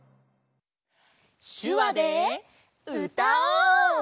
しゅわでうたおう！